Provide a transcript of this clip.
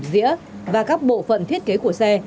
dĩa và các bộ phận thiết kế của xe